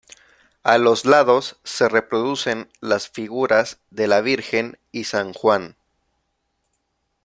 A los lados se reproducen las figuras de la Virgen y san Juan.